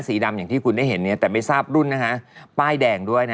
สีดำอย่างที่คุณได้เห็นเนี่ยแต่ไม่ทราบรุ่นนะฮะป้ายแดงด้วยนะ